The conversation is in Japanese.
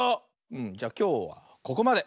うんじゃきょうはここまで。